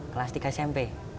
kelas tiga smp